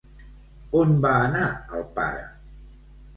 On va anar el pare?